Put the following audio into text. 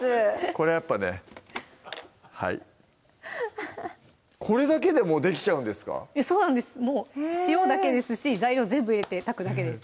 これはやっぱねはいこれだけでできちゃうんですかそうなんです塩だけですし材料全部入れて炊くだけです